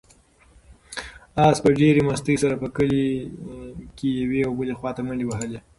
آس په ډېرې مستۍ سره په کلي کې یوې او بلې خواته منډې وهلې.